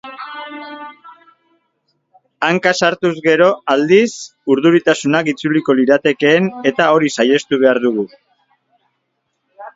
Hanka sartuz gero aldiz, urduritasunak itzuliko liratekeen eta hori saihestu behar dugu.